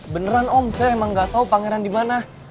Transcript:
beneran om saya emang gak tau pangeran dimana